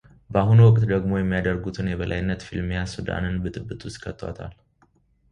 በአሁኑ ወቅት ደግሞ የሚያደርጉት የበላይነት ፍልሚያ ሱዳንን ብጥብጥ ውስጥ ከቷታል።